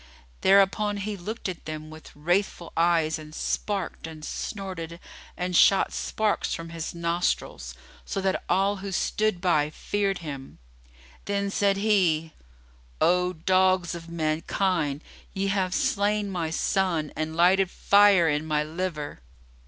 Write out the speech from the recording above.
Thereupon he looked at them with wrathful eyes and snarked and snorted and shot sparks from his nostrils, so that all who stood by feared him. Then said he, "O dogs of mankind, ye have slain my son and lighted fire in my liver."